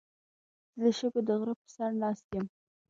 زه د شګو د غره په سر ناست یم.